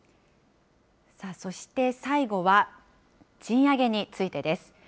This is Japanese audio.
そして、最後は賃上げについてです。